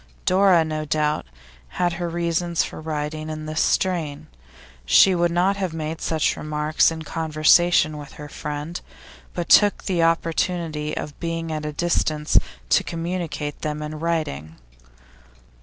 Dora, no doubt, had her reasons for writing in this strain. She would not have made such remarks in conversation with her friend, but took the opportunity of being at a distance to communicate them in writing.